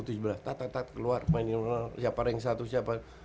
tatatat keluar mainin siapa rank satu siapa